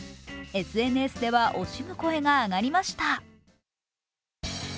ＳＮＳでは惜しむ声が上がりました。